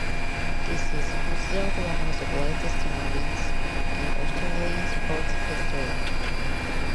This is considered one of the greatest moments in Australian sports history.